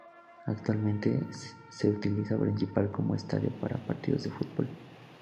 Actualmente se utiliza principalmente como estadio para partidos de fútbol.